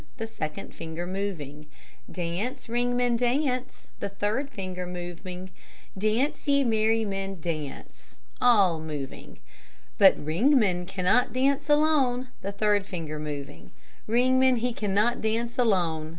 (the second finger moving Dance, Ringman, dance, (the third finger moving Dance, ye merrymen, dance. (all moving But Ringman cannot dance alone, (the third finger moving Ringman, he cannot dance alone.